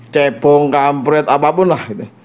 cepung kampret apapun lah